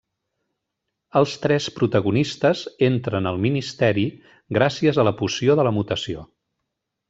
Els tres protagonistes entren al Ministeri gràcies a la poció de la mutació.